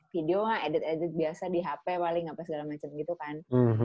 video edit edit biasa di hp paling apa segala macem gitu kan